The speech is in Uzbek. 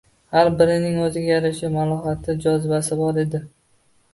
Har birining o`ziga yarasha malohati, jozibasi bor edi